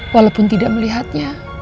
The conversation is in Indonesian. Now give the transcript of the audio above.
walaupun tidak melihatnya